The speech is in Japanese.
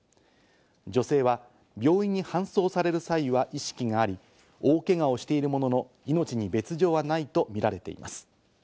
女性は病院に搬送される際は意識があり、大けがをしているものの、命に別条はないとみられています。